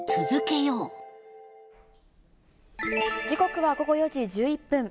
時刻は午後４時１１分。